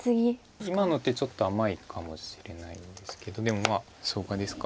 今の手ちょっと甘いかもしれないですけどでもまあ相場ですか。